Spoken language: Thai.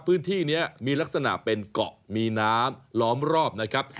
พื้นที่นี้มีลักษณะเป็นเกาะมีน้ำล้อมรอบนะครับ